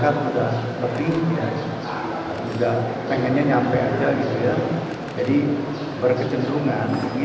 tengahnya nyampe aja gitu ya jadi berkecenderungan ini